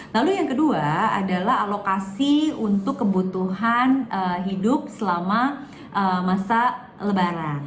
lalu yang kedua adalah alokasi untuk kebutuhan hidup selama masa lebaran